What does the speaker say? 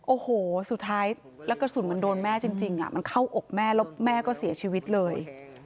โอ้โหสุดท้ายแล้วกระสุนมันโดนแม่จริงมันเข้าอกแม่แล้วแม่ก็เสียชีวิตเลย